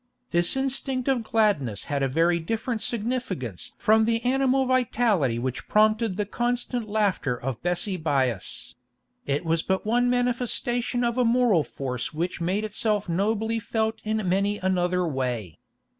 This instinct of gladness had a very different significance from the animal vitality which prompted the constant laughter of Bessie Byass; it was but one manifestation of a moral force which made itself nobly felt in many another way.